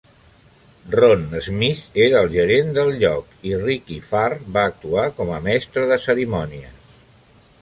Ron Smith era el gerent del lloc i Rikki Farr va actuar com a mestre de cerimònies.